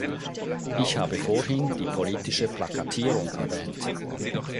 Ich habe vorhin die politische Plakatierung erwähnt.